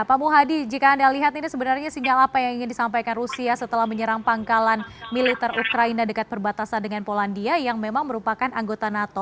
pak muhadi jika anda lihat ini sebenarnya sinyal apa yang ingin disampaikan rusia setelah menyerang pangkalan militer ukraina dekat perbatasan dengan polandia yang memang merupakan anggota nato